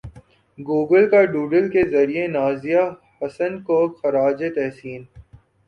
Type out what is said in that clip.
Google کا doodle کے ذریعے نازیہ حسن کو خراج تحسین